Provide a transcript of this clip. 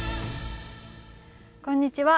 こんにちは。